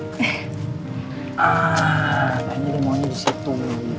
kayaknya dia maunya di situ